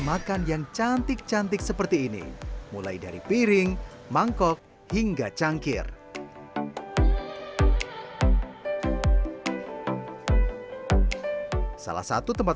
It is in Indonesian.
makan yang cantik cantik seperti ini mulai dari piring mangkok hingga cangkir salah satu tempat